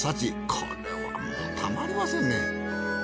これはもうたまりませんね！